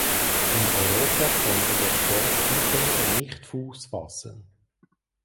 In Europa konnte der Sport bisher nicht Fuß fassen.